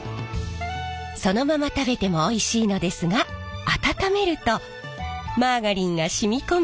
そのまま食べてもおいしいのですが温めるとマーガリンが染み込み